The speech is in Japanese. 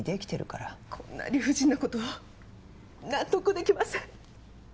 こんな理不尽なこと納得できません。